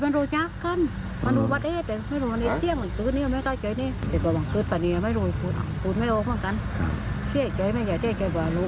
หลานโรยมันก็หลานไปกับกะหรัก